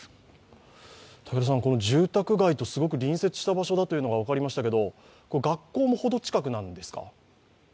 住宅街とすごく隣接した場所だというのは分かりましたけど、学校も程近くなんですか？